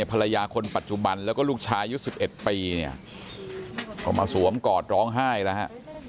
ภรรยาคนปัจจุบันแล้วก็ลูกชายอายุ๑๑ปีเนี่ยก็มาสวมกอดร้องไห้แล้วฮะ